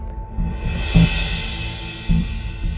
kami mau pindah supaya gak ketauan ibu